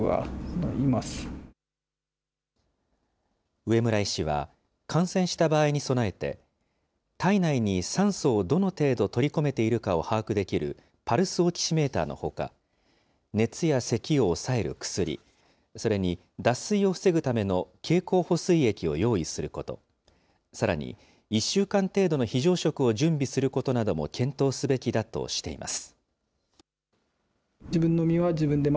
上村医師は感染した場合に備えて、体内に酸素をどの程度取り込めているかを把握できるパルスオキシメーターのほか、熱やせきを抑える薬、それに脱水を防ぐための経口補水液を用意すること、さらに１週間程度の非常食を準備することなども検討すべきだとしています。